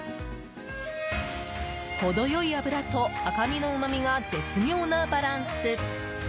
程良い脂と赤身のうまみが絶妙なバランス。